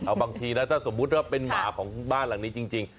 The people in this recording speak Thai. เอาบางทีนะถ้าสมมุติว่าเป็นหมาของบ้านหลังนี้จริง